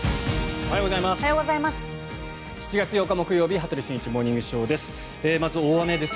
おはようございます。